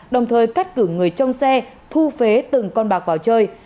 đồng thời cắt cử người trong xe thu phế từng con bạc vào chơi